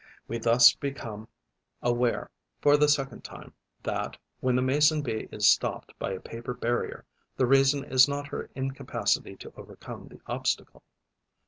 We thus become aware, for the second time, that, when the Mason bee is stopped by a paper barrier, the reason is not her incapacity to overcome the obstacle.